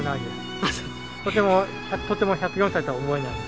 とても１０４歳とは思えない。